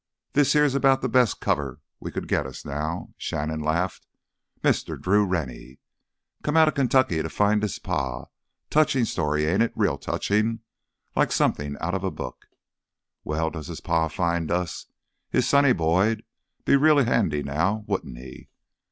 This here's about th' best cover we could git us now." Shannon laughed. "Mister Drew Rennie, come outta Kentucky to find his pa—touchin' story, ain't it? Real touchin'—like somethin' outta a book. Well, does his pa find us, his sonny boy'd be real handy, now wouldn't he?"